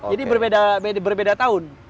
jadi berbeda tahun